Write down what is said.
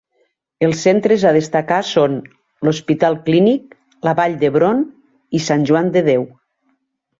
Els centres a destacar són: l’Hospital Clínic, la Vall d’Hebron i Sant Joan de Déu.